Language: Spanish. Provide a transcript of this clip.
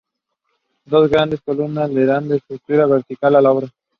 Dos grandes columnas le dan estructura vertical a la obra.